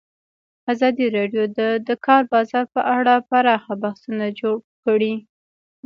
ازادي راډیو د د کار بازار په اړه پراخ بحثونه جوړ کړي.